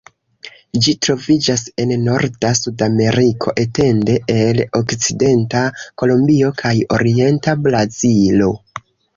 Ĝi troviĝas en norda Sudameriko, etende el okcidenta Kolombio kaj orienta Brazilo.